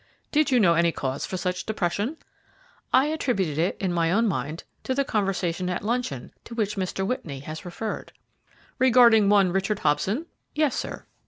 "Did you know any cause for such depression?" "I attributed it, in my own mind, to the conversation at luncheon, to which Mr. Whitney has referred." "Regarding one Richard Hobson?" "Yes, sir."